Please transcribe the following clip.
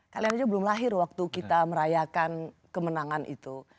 kalian aja belum lahir waktu kita merayakan kemenangan itu